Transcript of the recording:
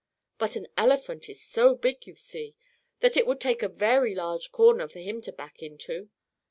But an elephant is so big, you see, that it would take a very large corner for him to back into.